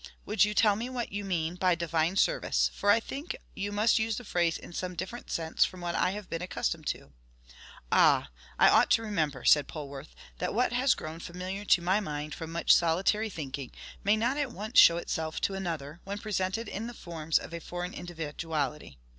Would you tell me what you mean by divine service, for I think you must use the phrase in some different sense from what I have been accustomed to?" "Ah! I ought to remember," said Polwarth, "that what has grown familiar to my mind from much solitary thinking, may not at once show itself to another, when presented in the forms of a foreign individuality.